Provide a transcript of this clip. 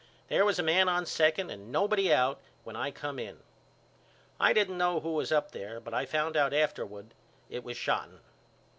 There was a man on second and nobody out when I come in. I didn't know who was up there but I found out afterward it was Shotten.